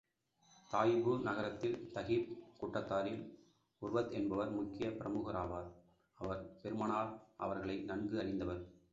தாயிபு நக்ரத்தில் தகீப் கூட்டத்தாரில், உர்வத் என்பவர் முக்கியப் பிரமுகர் ஆவார். அவர் பெருமானார் அவர்களை நன்கு அறிந்தவர்.